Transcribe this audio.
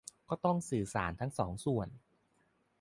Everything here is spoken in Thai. ก็ต้องสื่อสารทั้งสองส่วน